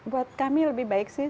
buat kami lebih baik sih